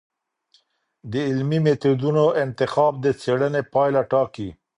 د علمي میتودونو انتخاب د څېړنې پایله ټاکي.